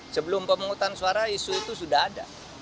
sebelum pemungutan suara isu itu sudah ada